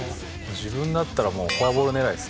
自分だったらもうフォアボール狙いです。